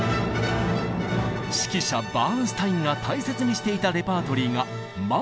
指揮者バーンスタインが大切にしていたレパートリーがマーラー。